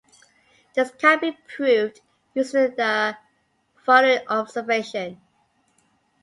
This can be proved using the following observation.